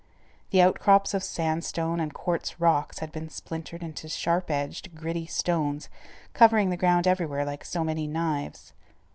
The outcrops of sandstone and quartz rocks had been splintered into sharp edged, gritty stones, covering the ground everywhere like so many knives.